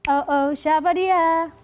oh oh siapa dia